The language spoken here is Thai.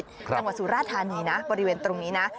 จังหวัดสุราธานีนะบริเวณตรงนี้นะ